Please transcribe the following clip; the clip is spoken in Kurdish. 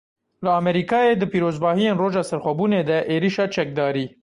Li Amerîkayê di pîrozbahiyên Roja Serxwebûnê de êrişa çekdarî.